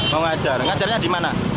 mau ngajar ngajarnya di mana